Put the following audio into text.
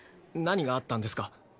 何があったんですか？